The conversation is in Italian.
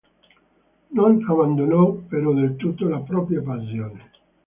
Non abbandonò però del tutto la propria passione.